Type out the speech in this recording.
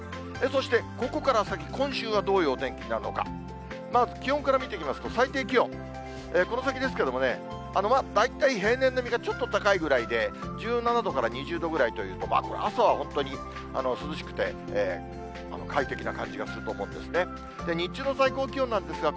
そして、ここから先、今週はどういうお天気なのか、まず気温から見ていきますと、最低気温、この先ですけれどもね、大体平年並みかちょっと高いぐらいで、１７度から２０度ぐらいという、朝は本当に涼しくて、快適な感じがすると思うんですね。